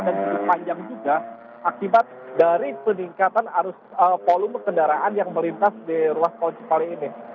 dan cukup panjang juga akibat dari peningkatan arus volume kendaraan yang melintas di ruas tol cipali ini